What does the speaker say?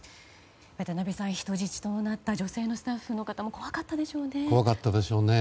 渡辺さん人質になった女性スタッフの方も怖かったでしょうね。